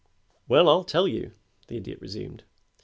"Well, I'll tell you," the Idiot resumed.